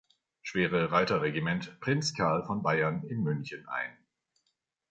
Schwere-Reiter-Regiment „Prinz Karl von Bayern“ in München ein.